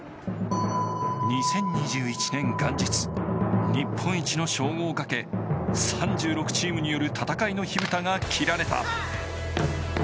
２０２１年元日、日本一の称号をかけ３６チームによる戦いの火蓋が切られた。